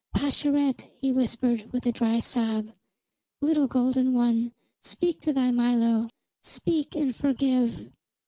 "Pascherette!" he whispered with a dry sob. "Little golden one, speak to thy Milo. Speak, and forgive!"